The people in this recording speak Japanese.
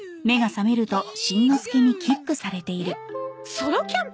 ソロキャンプ？